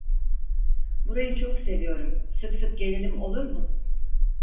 Burayı çok seviyorum, sık sık gelelim olur mu?